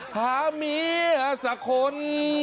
หาเมียสักคน